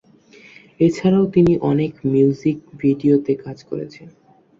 এছাড়াও তিনি অনেক মিউজিক ভিডিওতে কাজ করেছেন।